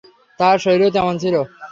তাঁহার শরীরও তেমনি ছিল।